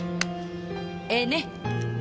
ええね？